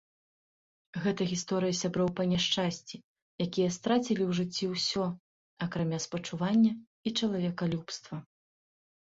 Гэта гісторыя сяброў па няшчасці, якія страцілі ў жыцці ўсё, акрамя спачування і чалавекалюбства.